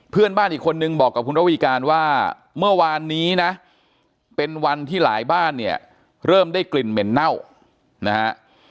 เพื่อนบ้านอีกคนนึงบอกกับคุณระวีการว่าเมื่อวานนี้นะเป็นวันที่หลายบ้านเนี่ยเริ่มได้กลิ่นเหม็นเน่านะฮะ